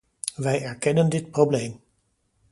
Wij erkennen dit probleem.